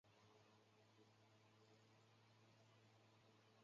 帕拉维奇尼宫是奥地利首都维也纳的一座宫殿建筑。